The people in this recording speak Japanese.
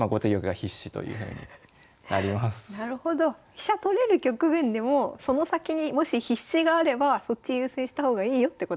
飛車取れる局面でもその先にもし必至があればそっち優先した方がいいよってことなんですね。